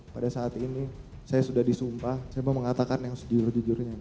pada saat ini saya sudah disumpah saya mau mengatakan yang sejujur jujurnya